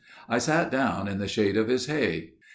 I sat down in the shade of his hay.